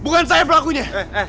bukan saya pelakunya